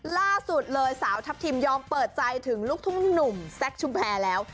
ล่าสุดเลยสาวทัพทิมยอมเปิดใจถึงลูกทุ่งหนุ่มแซคชุมแพรแล้ว